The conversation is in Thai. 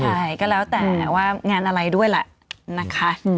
ใช่ก็แล้วแต่ว่างานอะไรด้วยแหละนะคะ